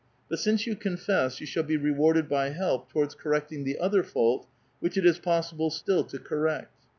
But since you confess, you shall be rewarded by help towards correcting the other fault, which it is possible still to correct.